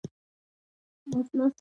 د واده پر ورځ یې پر احمد بابېړۍ وکړ.